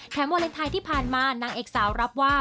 วาเลนไทยที่ผ่านมานางเอกสาวรับว่า